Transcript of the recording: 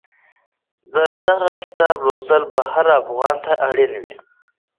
د دغه کتاب لوستل د هر افغان لپاره اړین دي.